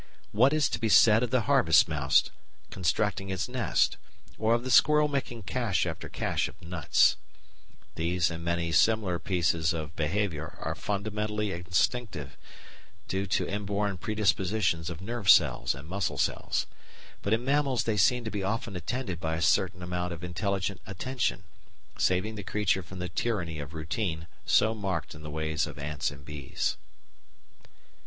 What is to be said of the harvest mouse constructing its nest, or of the squirrel making cache after cache of nuts? These and many similar pieces of behaviour are fundamentally instinctive, due to inborn predispositions of nerve cells and muscle cells. But in mammals they seem to be often attended by a certain amount of intelligent attention, saving the creature from the tyranny of routine so marked in the ways of ants and bees.